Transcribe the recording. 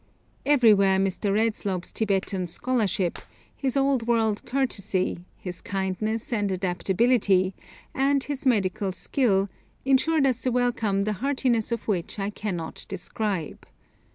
Everywhere Mr. Redslob's Tibetan scholarship, his old world courtesy, his kindness and adaptability, and his medical skill, ensured us a welcome the heartiness of which I cannot describe.